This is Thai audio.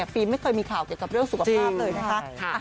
ฟิล์มไม่เคยมีข่าวเกี่ยวกับเรื่องสุขภาพเลยนะคะ